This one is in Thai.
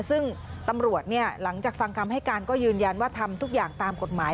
ซึ่งตำรวจหลังจากฟังคำให้การก็ยืนยันว่าทำทุกอย่างตามกฎหมาย